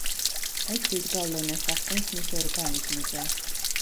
ეს დიდ გავლენას ახდენს მის ორგანიზმზე.